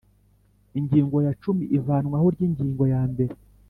Ingingo ya cumi Ivanwaho ry Ingingo ya mbere